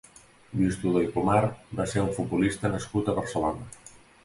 Lluís Tudó i Pomar va ser un futbolista nascut a Barcelona.